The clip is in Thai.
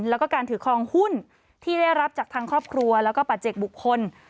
แล้วก็การถือคลองหุ้นที่ได้รับจากทางครอบครัวแล้วก็ประเจกบุคคล